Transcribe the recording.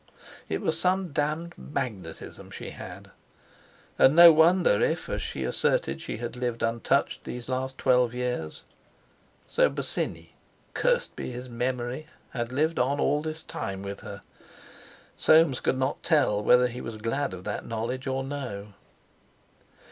It was some damned magnetism she had! And no wonder if, as she asserted; she had lived untouched these last twelve years. So Bosinney—cursed be his memory!—had lived on all this time with her! Soames could not tell whether he was glad of that knowledge or no.